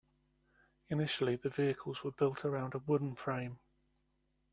Initially the vehicles were built around a wooden frame.